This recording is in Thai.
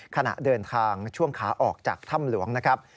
ขณะเดินทางช่วงขาออกจากถ้ำหลวงนะครับ